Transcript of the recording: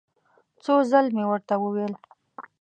څو ځل مې ورته وویل.